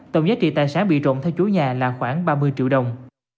tổng giá trị tài sản bị trộm theo chủ nhà là khoảng ba mươi triệu đồng